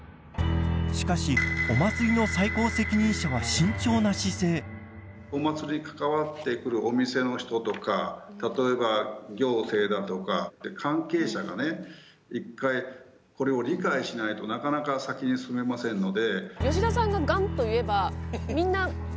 しかしお祭りの最高責任者はお祭りに関わってくるお店の人とか例えば行政だとか関係者がね１回これを理解しないとなかなか先に進めませんので。